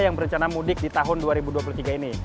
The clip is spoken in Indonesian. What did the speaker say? yang berencana mudik di tahun dua ribu dua puluh tiga ini